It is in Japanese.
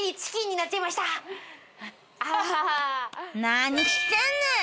何してんねん！